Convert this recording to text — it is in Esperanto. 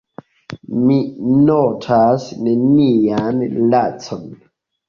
Mi notas nenian lacon.